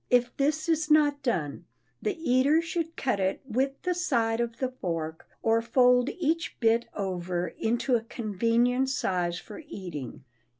If this is not done, the eater should cut it with the side of the fork, or fold each bit over into a convenient size for eating.